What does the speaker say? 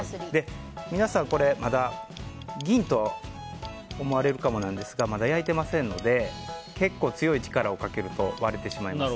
皆さん、まだ銀？と思われるかもですがまだ焼いていませんので結構強い力をかけると割れてしまいます。